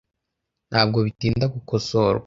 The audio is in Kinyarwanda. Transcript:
Ntabwo bitinda gukosorwa.